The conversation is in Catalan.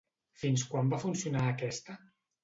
Fins quan va funcionar aquesta?